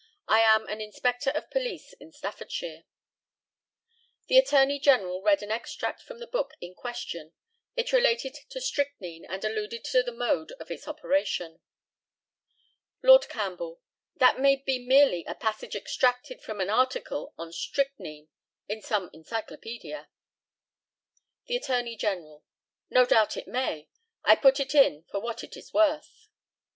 I am an inspector of police in Staffordshire. The ATTORNEY GENERAL read an extract from the book in question. It related to strychnine, and alluded to the mode of its operation. Lord CAMPBELL: That may be merely a passage extracted from an article on "Strychnine" in some encyclopædia. The ATTORNEY GENERAL: No doubt it may. I put it in for what it is worth.